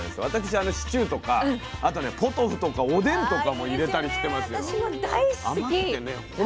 私シチューとかあとねポトフとかおでんとかも入れたりしてますよ。